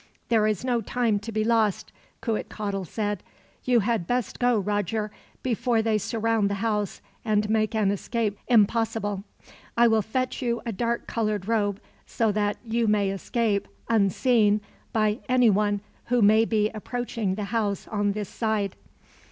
"There is no time to be lost," Cuitcatl said. "You had best go, Roger, before they surround the house and make escape impossible. I will fetch you a dark colored robe, so that you may escape, unseen, by anyone who may be approaching the house on this side."